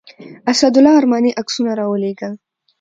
اسدالله ارماني عکسونه راولېږل.